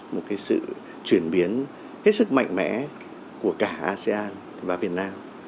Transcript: một cái sự chuyển biến hết sức mạnh mẽ của cả asean và việt nam